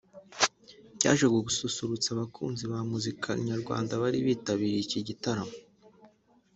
cyaje gususurutsa abakunzi ba muzika nyarwanda bari bitabiriye iki gitarmo